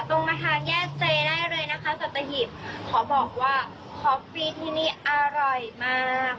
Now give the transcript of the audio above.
ตรงมาทานแยกเจได้เลยนะคะสัตหิบขอบอกว่าขอฟรีที่นี่อร่อยมาก